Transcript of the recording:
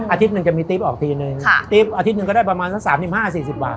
อาทิตย์หนึ่งจะมีตี๊บออกทีหนึ่งค่ะตี๊บอาทิตย์หนึ่งก็ได้ประมาณสักสามสิบห้าสี่สิบบาท